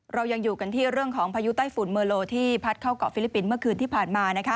เรายังอยู่กันที่เรื่องของพายุไต้ฝุ่นเมอร์โลที่พัดเข้าเกาะฟิลิปปินส์เมื่อคืนที่ผ่านมานะคะ